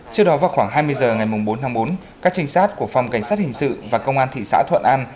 trước đó vào khoảng hai mươi h ngày bốn tháng bốn các trinh sát của phòng cảnh sát hình sự và công an thị xã thuận an